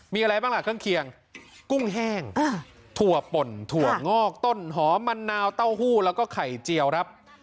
มีอะไรบ้างล่ะเครื่องเคียงกุ้งแห้งถั่วป่นถั่วงอกต้นหอมมะนาวเต้าหู้แล้วก็ไข่เจียวครับ